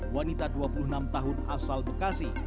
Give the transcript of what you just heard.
wanita dua puluh enam tahun asal bekasi